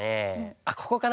あっここかな？